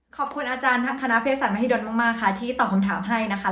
ขอบคุณอาจารย์คณะเพศศาสมหิดลมากค่ะที่ตอบคำถามให้นะคะ